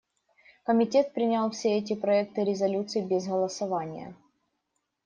Комитет принял все эти проекты резолюций без голосования.